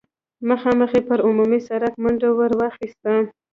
مخامخ يې پر عمومي سړک منډه ور واخيسته.